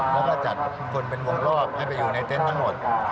แล้วก็จัดคนเป็นวงรอบให้ไปอยู่ในเต็นต์ทั้งหมด